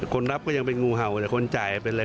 คนรับก็ยังเป็นงูเห่าแต่คนจ่ายเป็นอะไร